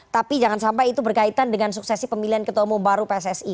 tapi jangan sampai itu berkaitan dengan suksesi pemilihan ketua umum baru pssi